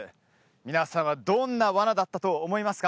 皆さんはどんなワナだったと思いますか？